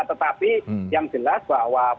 tetapi yang jelas bahwa